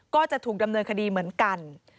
ก็จะถูกดำเนินคดีเหมือนกัน